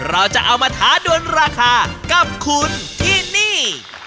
เราจะเอามาท้าดวนราคากับคุณที่นี่